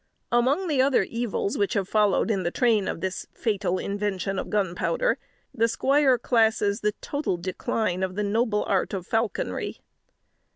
Among the other evils which have followed in the train of this fatal invention of gunpowder, the squire classes the total decline of the noble art of falconry.